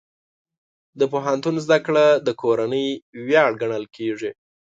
د پوهنتون زده کړه د کورنۍ ویاړ ګڼل کېږي.